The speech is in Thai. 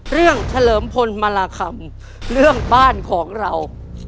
เรื่องบ้านของเรา